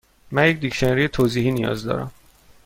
من یک دیکشنری توضیحی نیاز دارم.